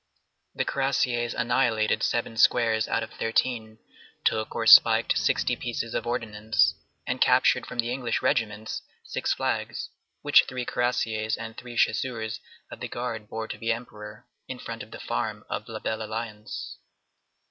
The cuirassiers annihilated seven squares out of thirteen, took or spiked sixty pieces of ordnance, and captured from the English regiments six flags, which three cuirassiers and three chasseurs of the Guard bore to the Emperor, in front of the farm of La Belle Alliance.